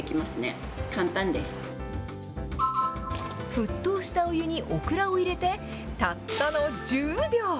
沸騰したお湯にオクラを入れて、たったの１０秒。